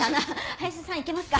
林田さんいけますか？